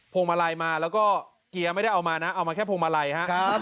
วงมาลัยมาแล้วก็เกียร์ไม่ได้เอามานะเอามาแค่พวงมาลัยครับ